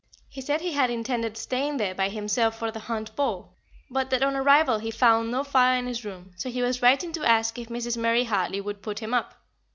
He said he had intended staying there by himself for the Hunt Ball, but that on arrival he found no fire in his room, so he was writing to ask if Mrs. Murray Hartley would put him up.